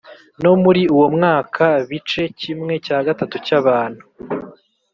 no muri uwo mwaka bice kimwe cya gatatu cy abantu